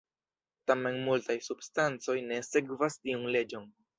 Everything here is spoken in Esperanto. Tamen multaj substancoj ne sekvas tiun leĝon.